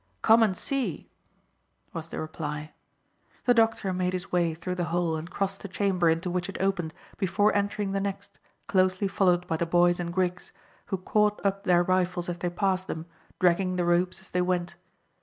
"Come and see," was the reply. The doctor made his way through the hole and crossed the chamber into which it opened, before entering the next, closely followed by the boys and Griggs, who caught up their rifles as they passed them, dragging the ropes as they went.